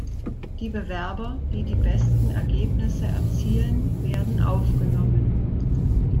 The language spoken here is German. Die Bewerber, die die besten Ergebnisse erzielen, werden aufgenommen.